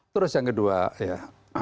terus yang kedua ya